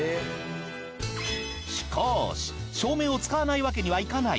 しかし照明を使わないわけにはいかない。